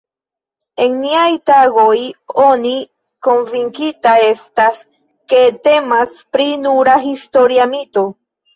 En niaj tagoj oni konvinkita estas ke temas pri (nura) historia mito.